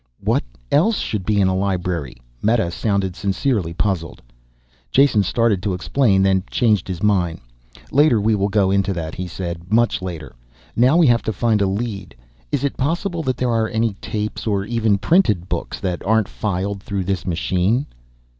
"What else should be in a library?" Meta sounded sincerely puzzled. Jason started to explain, then changed his mind. "Later we will go into that," he said. "Much later. Now we have to find a lead. Is it possible that there are any tapes or even printed books that aren't filed through this machine?"